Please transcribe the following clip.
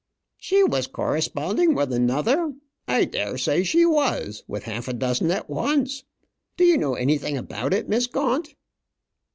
"She was corresponding with another! I dare say she was; with half a dozen at once. Do you know anything about it, Miss Gaunt?"